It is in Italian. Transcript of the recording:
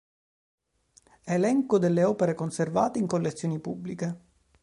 Elenco delle opere conservate in collezioni pubbliche.